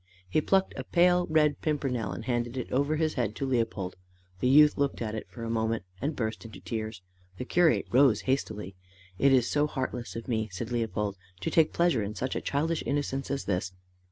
He plucked a pale red pimpernel and handed it up over his head to Leopold. The youth looked at it for a moment, and burst into tears. The curate rose hastily. "It is so heartless of me." said Leopold, "to take pleasure in such a childish innocence as this!"